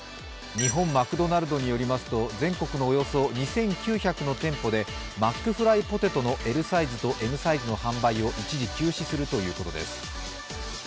日本マクドナルドによりますと、全国のおよそ２９００の店舗でマックフライポテトのＬサイズとＭサイズの販売を一時休止するということです。